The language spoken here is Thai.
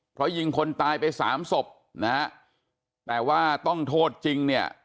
เพราะยิงคนตายไปสามศพนะฮะแต่ว่าต้องโทษจริงเนี่ย